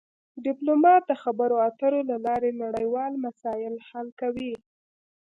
ډیپلومات د خبرو اترو له لارې نړیوال مسایل حل کوي